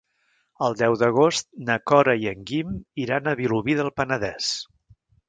El deu d'agost na Cora i en Guim iran a Vilobí del Penedès.